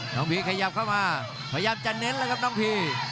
พีขยับเข้ามาพยายามจะเน้นแล้วครับน้องพี